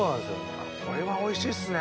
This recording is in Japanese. これはおいしいっすね！